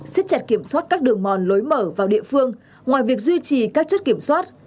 xích chặt kiểm soát các đường mòn lối mở vào địa phương ngoài việc duy trì các chốt kiểm soát